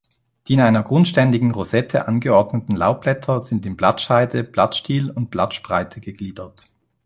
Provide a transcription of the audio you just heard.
Die in einer grundständigen Rosette angeordneten Laubblätter sind in Blattscheide, Blattstiel und Blattspreite gegliedert.